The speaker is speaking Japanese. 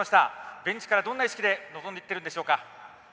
ベンチからどんな意識で臨んでいるんでしょうか？